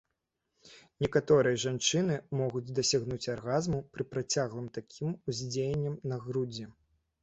Некаторыя жанчыны могуць дасягнуць аргазму пры працяглым такім уздзеяннем на грудзі.